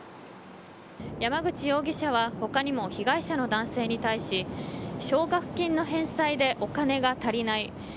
山口容疑者は他にも被害者の男性に対し奨学金の返済でお金が足りない。